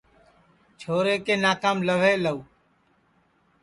چھورے کے ناکام لہوے لہو